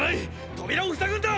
扉を塞ぐんだ！